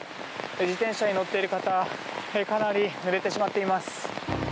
自転車に乗っている方かなりぬれてしまっています。